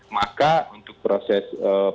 maka untuk proses